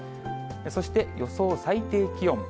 そして予想最低気温。